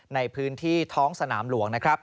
ในพื้นที่ท้องสนามหลวง